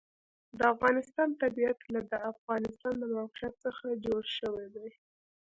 د افغانستان طبیعت له د افغانستان د موقعیت څخه جوړ شوی دی.